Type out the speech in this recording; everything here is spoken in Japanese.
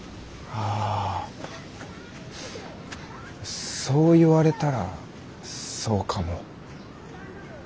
あそう言われたらそうかも。